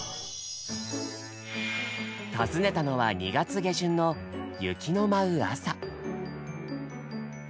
訪ねたのは２月下旬の雪の舞う朝。